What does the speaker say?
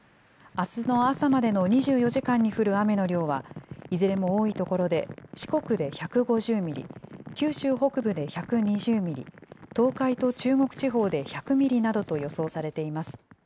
あすの朝までの２４時間に降る雨の量は、いずれも多い所で、四国で１５０ミリ、九州北部で１２０ミリ、東海と中国地方で１００ミリなどと予想されています。